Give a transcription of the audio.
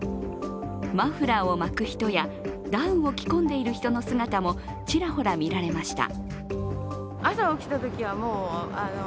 マフラーを巻く人や、ダウンを着込んでいる人の姿もちらほら見られました。